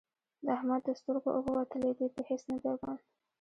د احمد د سترګو اوبه وتلې دي؛ په هيڅ نه دی بند،